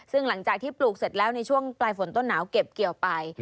ซึ่งหลังจากที่ปลูกเสร็จแล้วในช่วงปลายฝนต้นหนาวเก็บเกี่ยวไป